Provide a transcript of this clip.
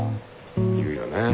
言うよね。